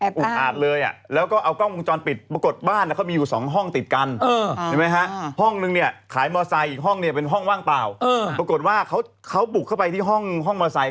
นักแสดงคนนึงอันนี้ก็คือภาพที่เกิดขึ้นในราว